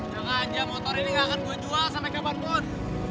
jangan dia motor ini nggak akan gue jual sampai kapanpun